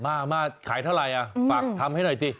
มาขายเท่าไหร่ฝากทำให้หน่อยสิ